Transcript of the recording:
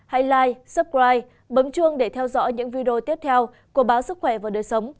hãy like subscribe bấm chuông để theo dõi những video tiếp theo của báo sức khỏe và đời sống